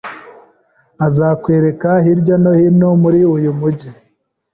Azakwereka hirya no hino muri uyu mujyi.